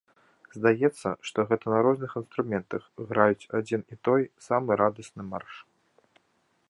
Здаецца, што гэта на розных інструментах граюць адзін і той самы радасны марш.